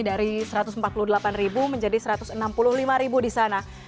dari satu ratus empat puluh delapan menjadi satu ratus enam puluh lima disana